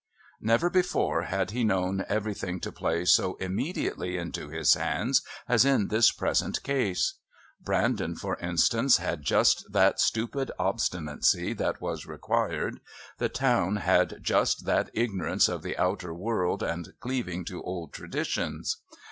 Never before had he known everything to play so immediately into his hands as in this present case. Brandon, for instance, had just that stupid obstinacy that was required, the town had just that ignorance of the outer world and cleaving to old traditions.